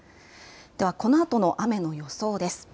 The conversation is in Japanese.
ではこのあとの雨の予想です。